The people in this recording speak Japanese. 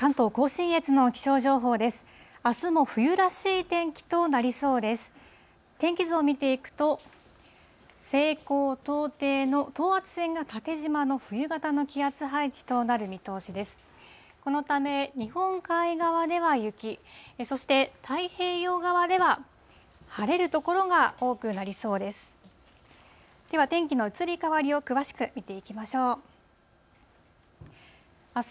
このため日本海側では雪、そして太平洋側では晴れる所が多くなりそうです。